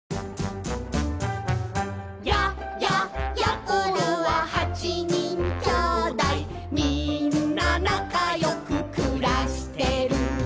「や、や、やころははちにんきょうだい」「みんななかよくくらしてる」